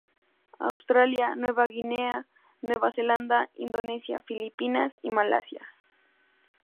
Australia, Nueva Guinea, Nueva Zelanda, Indonesia, Filipinas y Malasia.